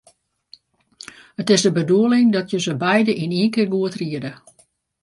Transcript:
It is de bedoeling dat je se beide yn ien kear goed riede.